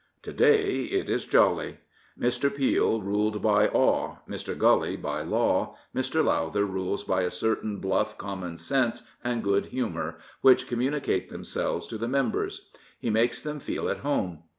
To day it is jolly. Mr. Peel ruled by awe, Mr. Gully by law, Mr. Lowther rules by a certain bluff common sense and good humour which communicate themselves to the members. He makes them feel at home.